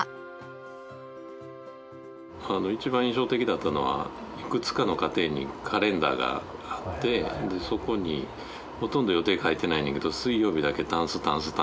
一番印象的だったのはいくつかの家庭にカレンダーがあってそこにほとんど予定書いてないねんけど水曜日だけ「たんす」